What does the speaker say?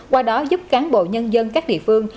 qua đó giúp cán bộ nhân dân các địa phương